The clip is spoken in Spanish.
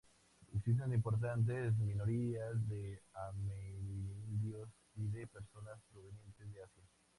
Existen importantes minorías de amerindios y de personas provenientes de Asia.